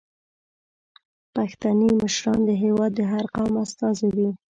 پښتني مشران د هیواد د هر قوم استازي دي.